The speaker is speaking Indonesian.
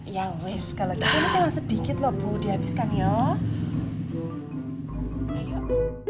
ya wess kalo gitu ini tinggal sedikit loh bu dihabiskan yuk